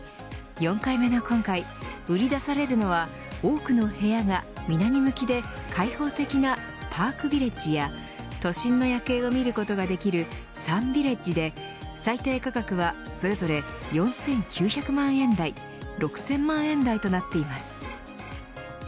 ４回目の今回売り出されるのは多くの部屋が南向きで開放的なＰＡＲＫＶＩＬＬＡＧＥや都心の夜景を見ることができるＳＵＮＶＩＬＬＡＧＥで最低価格はそれぞれ４９００万円台６０００万円台となっています。